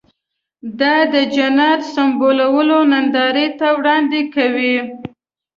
دا د جنت سمبولونه نندارې ته وړاندې کوي.